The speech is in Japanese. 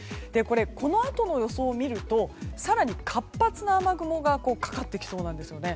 このあとの予想を見ると更に、活発な雨雲がかかってきそうなんですよね。